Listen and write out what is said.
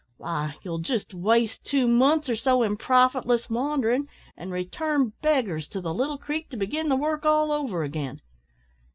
Why, you'll just waste two months or so in profitless wandering, and return beggars to the Little Creek to begin the work all over again.